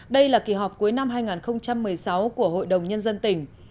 đây là kỳ họp cuối năm hai nghìn một mươi sáu của hội đồng nhân dân tỉnh